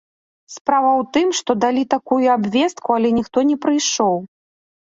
Справа ў тым, што далі такую абвестку але ніхто не прыйшоў.